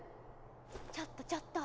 ちょっとちょっと。